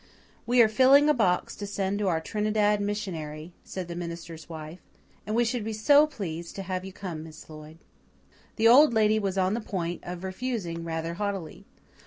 "We are filling a box to send to our Trinidad missionary," said the minister's wife, "and we should be so pleased to have you come, Miss Lloyd." The Old Lady was on the point of refusing rather haughtily.